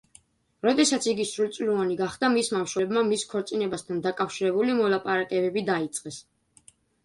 როდესაც იგი სრულწლოვანი გახდა, მისმა მშობლებმა მის ქორწინებასთან დაკავშირებული მოლაპარაკებები დაიწყეს.